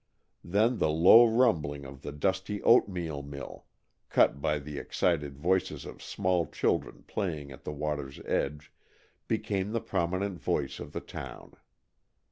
Then the low rumbling of the dusty oatmeal mill, cut by the excited voices of small children playing at the water's edge, became the prominent voice of the town.